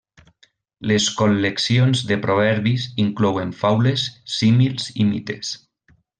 Les col·leccions de proverbis inclouen faules, símils i mites.